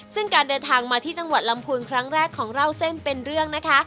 ซึ่งการเดินทางมาที่จังหวัดลำพูนครั้งแรกของเล่าเส้นเป็นเรื่องนะคะ